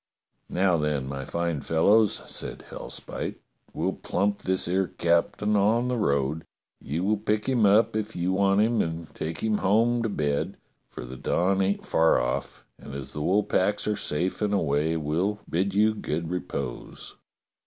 "Now, then, my fine fellows," said Hellspite, "we'll plump this 'ere captain on the road. You will pick him up if you want him and take him home to bed, for the dawn ain't far off, and as the wool packs are safe and away, we'll bid you good repose."